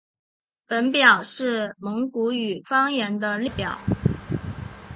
本表是蒙古语方言的列表。